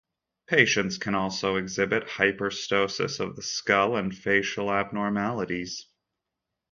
Patients can also exhibit hyperostosis of the skull and facial abnormalities.